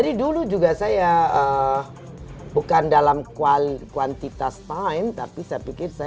rusanya dimana lika